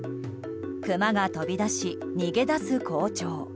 クマが飛び出し、逃げ出す校長。